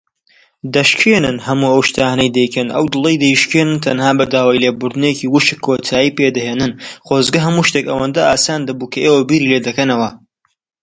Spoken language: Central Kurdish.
برایەکی بە ناوی نەدیم ساڵح سەعدی لە مەبانی عام بوو